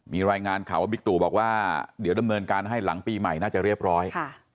มีรายงานข่าวว่าบิ๊กตู่บอกว่าเดี๋ยวดำเนินการให้หลังปีใหม่น่าจะเรียบร้อย